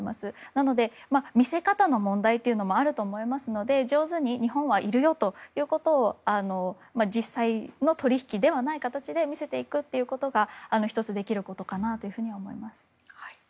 なので、見せ方の問題もあると思いますので上手に、日本はいるよということを実際の取引ではない形で見せていくことが１つ、できることかなと思います。